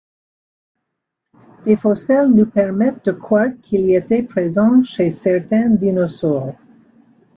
Des fossiles nous permettent de croire qu'il était présent chez certains dinosaures.